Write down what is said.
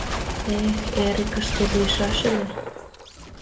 Эх, эрыкыште лийшаш ыле!